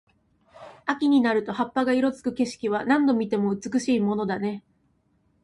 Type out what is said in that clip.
秋になると葉っぱが色付く景色は、何度見ても美しいものだね。